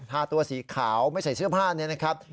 ทาตัวสีขาวไม่ใส่เสื้อผ้าเนี่ยนะครับ